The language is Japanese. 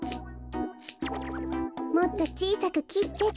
もっとちいさくきってと。